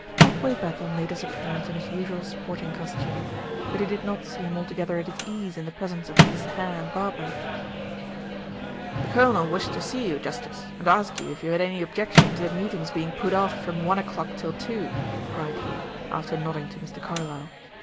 Otway Bethel made his appearance in his usual sporting costume. But he did not seem altogether at his ease in the presence of Mrs. Hare and Barbara. "The colonel wished to see you, justice, and ask you if you had any objection to the meeting's being put off from one o'clock till two," cried he, after nodding to Mr. Carlyle.